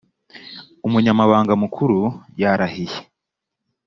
umunyamabanga mukuru yarahiye.